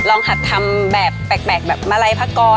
หัดทำแบบแปลกแบบมาลัยพระกร